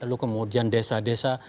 lalu kemudian desa desa